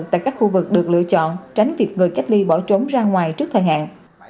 tại các khu vực được lựa chọn tránh việc vừa cách ly bỏ trốn ra ngoài trước thời hạn